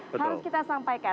harus kita sampaikan